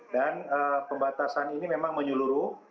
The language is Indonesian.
dan pembatasan ini memang menyeluruh